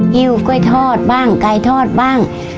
หิ้วกล้วยทอดบ้างไก่ทอดบ้าง